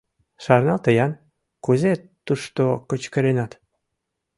— Шарналте-ян, кузе тушто кычкыренат?